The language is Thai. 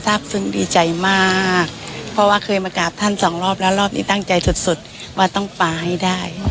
ซึ้งดีใจมากเพราะว่าเคยมากราบท่านสองรอบแล้วรอบนี้ตั้งใจสุดสุดว่าต้องปลาให้ได้